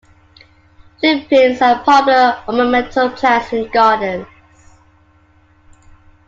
Lupins are popular ornamental plants in gardens.